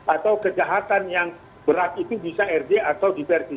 atau kejahatan yang berat itu bisa rg atau dipergi